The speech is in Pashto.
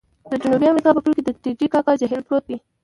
د جنوبي امریکا په پوله کې د ټې ټې کاکا جهیل پروت دی.